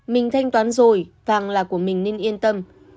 mình thanh toán rồi vàng là của mình nên yên tâm